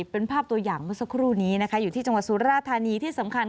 เป็นภาพตัวอย่างเมื่อสักครู่นี้นะคะอยู่ที่จังหวัดสุราธานีที่สำคัญ